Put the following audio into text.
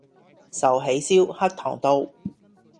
壽喜燒-黑糖道